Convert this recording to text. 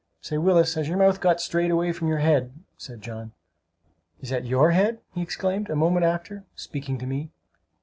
"Say, Willis, has your mouth got strayed away from your head?" said John. "Is that your head?" he exclaimed a moment after, speaking to me.